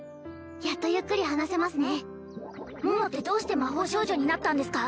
やっとゆっくり話せますね桃ってどうして魔法少女になったんですか？